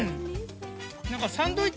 何かサンドイッチ。